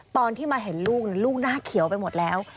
ตอนที่มาเห็นลูกลูกหน้าเขียวไปหมดแล้ว